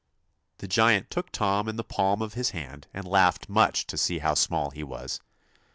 The giant took Tom in the palm of his hand and laughed much to see how small he was.